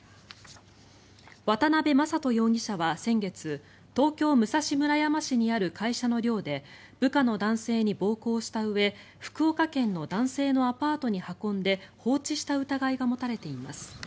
渡邊正人容疑者は先月東京・武蔵村山市にある会社の寮で部下の男性に暴行したうえ福岡県の男性のアパートに運んで放置した疑いが持たれています。